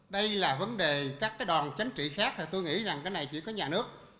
đây là vấn đề các đoàn chánh trị khác tôi nghĩ rằng cái này chỉ có nhà nước